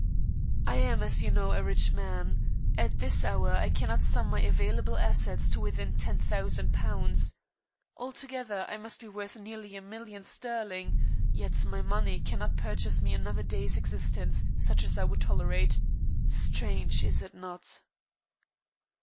I am, as you know, a rich man. At this hour I cannot sum up my available assets to within £100,000. Altogether I must be worth nearly a million sterling yet my money cannot purchase me another day's existence such as I would tolerate. Strange, is it not?